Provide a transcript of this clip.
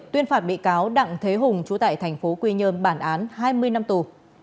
tuyên phạt bị cáo đặng thế hùng trú tại thành phố quy nhơn bản án hai mươi năm tù